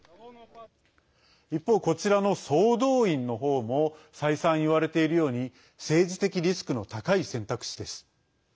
一方、こちらの総動員の方も再三、言われているように政治的リスクの高い選択肢です。